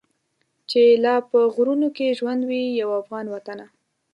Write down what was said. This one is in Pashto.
چي لا په غرونو کي ژوندی وي یو افغان وطنه.